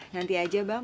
nanti aja bang